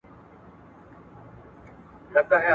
پلار د اولاد په زړه کي د نیکۍ او ثواب مینه پیدا کوي.